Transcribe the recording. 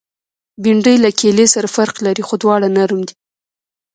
بېنډۍ له کیلې سره فرق لري، خو دواړه نرم دي